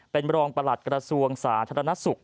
เป็นรองประหลัดกระทรวงสาธารณสุข